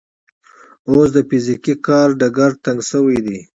اوس د فزیکي کار ډګر تنګ شوی دی.